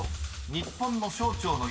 日本の省庁の予算